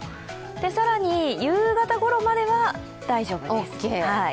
更に夕方ごろまでは大丈夫です。